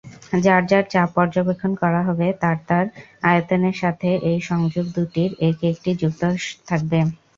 যার যার চাপ পর্যবেক্ষণ করা হবে তার তার আয়তনের সাথে এই সংযোগ দুটির এক-একটি সংযুক্ত থাকে।